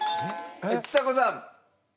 はいちさ子さん。